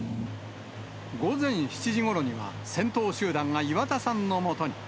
午前７時ごろには、先頭集団が岩田さんのもとに。